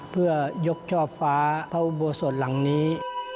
เพื่อยกช่อฟ้าพระอุโบสถหลังนี้